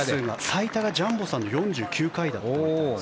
最多がジャンボさんの４９回だったみたいです。